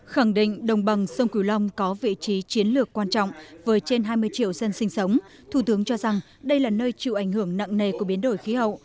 khẳng định đồng bằng sông cửu long có vị trí chiến lược quan trọng với trên hai mươi triệu dân sinh sống thủ tướng cho rằng đây là nơi chịu ảnh hưởng nặng nề của biến đổi khí hậu